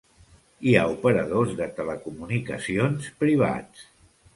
Hi ha operadors de telecomunicacions privats.